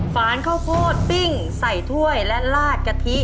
ฝานข้าวโพดปิ้งใส่ถ้วยและลาดกะทิ